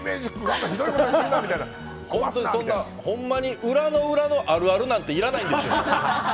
本当にそんな裏の裏のあるあるなんていらないんですよ